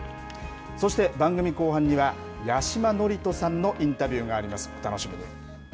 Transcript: そして番組後半には、八嶋智人さんのインタビューがあります。